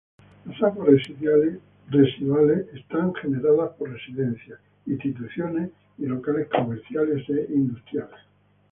Las aguas residuales son generadas por residencias, instituciones y locales comerciales e industriales.